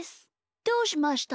どうしました？